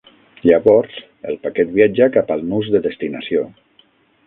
Llavors el paquet viatja cap al nus de destinació.